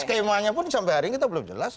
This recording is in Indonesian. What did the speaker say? skema nya pun sampai hari ini itu belum jelas